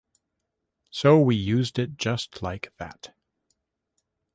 So we used it just like that.